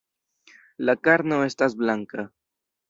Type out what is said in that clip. La karno estas blanka.